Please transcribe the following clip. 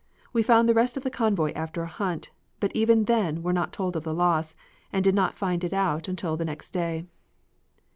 We found the rest of the convoy after a hunt, but even then were not told of the loss, and did not find it out until the next day.